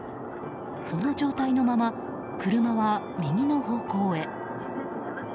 その状態のまま車は右の方向へ。